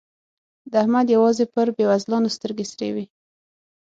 د احمد يوازې پر بېوزلانو سترګې سرې وي.